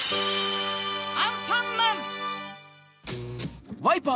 アンパンマン‼